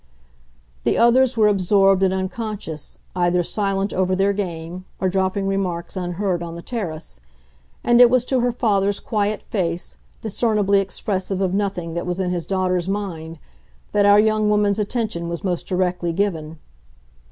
The others were absorbed and unconscious, either silent over their game or dropping remarks unheard on the terrace; and it was to her father's quiet face, discernibly expressive of nothing that was in his daughter's mind, that our young woman's attention was most directly given.